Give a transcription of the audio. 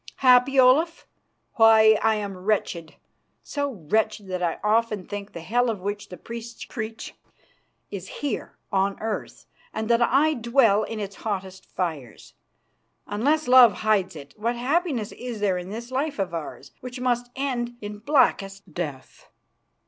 "Happy, Olaf? Why, I am wretched, so wretched that often I think the hell of which the priests preach is here on earth, and that I dwell in its hottest fires. Unless love hides it, what happiness is there in this life of ours, which must end in blackest death?"